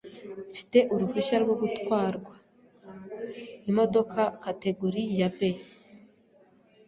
Mfite uruhushya rwo gutwara imodoka kategori ya B,